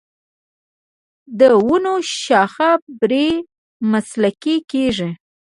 د ونو شاخه بري مسلکي کیږي.